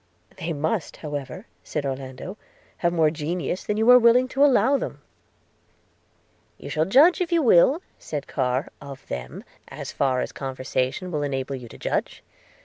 'They must, however,' said Orlando, 'have more genius than you are willing to allow them.' 'You shall judge, if you will,' said Carr, 'of them, as far as conversation will enable you to judge.